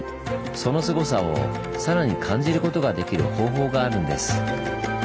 そのすごさをさらに感じることができる方法があるんです。